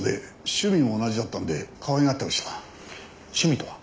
趣味とは？